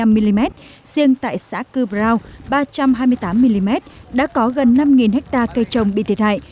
ba mươi năm một trăm năm mươi năm mm riêng tại xã cư brau ba trăm hai mươi tám mm đã có gần năm hectare cây trồng bị thiệt hại